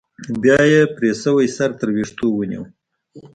بيا يې پرې شوى سر تر ويښتو ونيو.